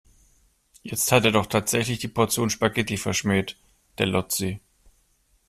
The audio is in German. Jetzt hat er doch tatsächlich die Portion Spaghetti verschmäht, der Lotzi.